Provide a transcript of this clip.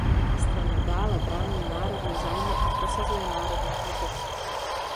Strana dále brání národní zájmy a prosazuje národní hrdost.